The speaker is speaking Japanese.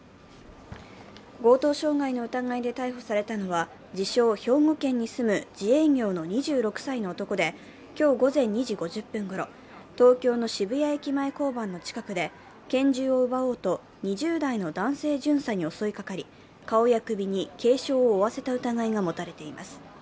強盗傷害の疑いで逮捕されたのは、自称・兵庫県に住む自営業の２６歳の男で今日午前２時５０分ごろ、東京の渋谷駅前交番の近くで拳銃を奪おうと２０代の男性巡査に襲いかかり顔や首に軽傷を負わせた疑いが持たれています。